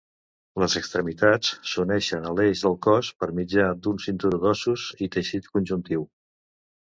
Les extremitats s'uneixen a l'eix del cos per mitjà d'un cinturó d'ossos i teixit conjuntiu.